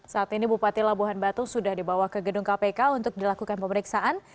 saat ini bupati labuhan batu sudah dibawa ke gedung kpk untuk dilakukan pemeriksaan